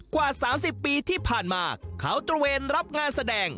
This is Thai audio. กว่า๓๐ปีที่ผ่านมาเขาตระเวนรับงานแสดง